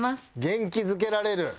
元気づけられる？